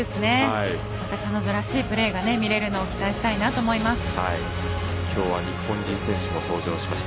また彼女らしいプレーが見れるのを期待したいと思います。